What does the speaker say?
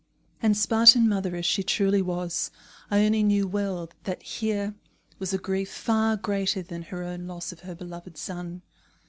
And, Spartan mother as she truly was, Ione knew well that here was a grief far greater than her own loss of her beloved son.